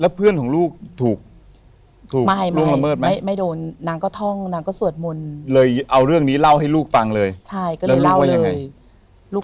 แล้วเพื่อนของลูกถูก